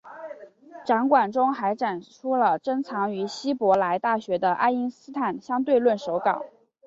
展馆中还展出了珍藏于希伯来大学的爱因斯坦相对论手稿。